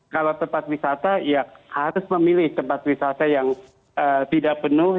kalau tempat wisata ya harus memilih tempat wisata yang tidak penuh